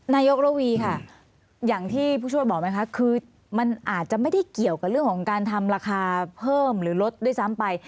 นายกระวีค่ะอย่างที่ผู้ช่วยบอกไหมคะคือมันอาจจะไม่ได้เกี่ยวกับเรื่องของการทำราคาเพิ่มหรือลดด้วยซ้ำไป